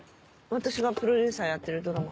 私がプロデューサーやってるドラマ。